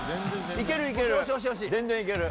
いける、いける。